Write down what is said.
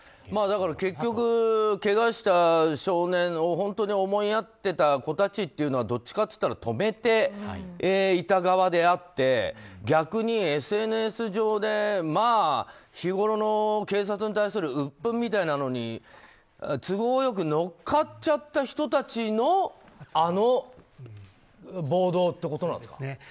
だから、結局けがした少年を本当に思いやってた子たちはどっちかっていったら止めていた側であって逆にＳＮＳ上で日頃の警察に対するうっぷんみたいなのに都合よく乗っかっちゃった人たちのあの暴動ってことなんですか？